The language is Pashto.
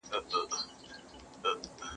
د اوبو مديريت مهم دی.